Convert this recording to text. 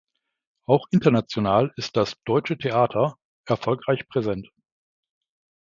Auch international ist das "Deutsche Theater" erfolgreich präsent.